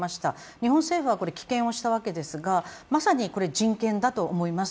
日本政府は棄権したわけですがまさに人権だと思います。